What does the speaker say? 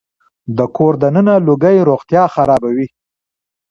د کور دننه لوګي روغتيا خرابوي.